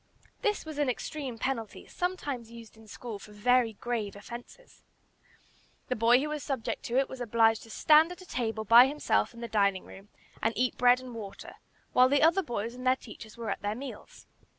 This was an extreme penalty, sometimes used in school for very grave offences. The boy who was subject to it was obliged to stand at a table by himself in the dining room and eat bread and water, while the other boys and their teachers were at their meals.